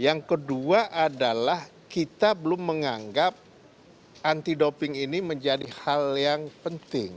yang kedua adalah kita belum menganggap anti doping ini menjadi hal yang penting